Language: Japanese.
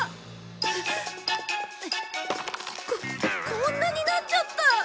ここんなになっちゃった。